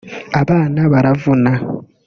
Abana baravuna